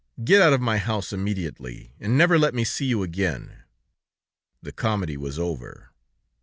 Get out of my house immediately, and never let me see you again!" The comedy was over.